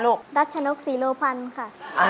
ลัดชนกสิรปัญค่ะ